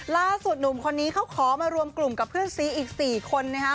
ล่าสุดหนุ่มคนนี้เขาขอมารวมกลุ่มกับเพื่อนซีอีก๔คนนะครับ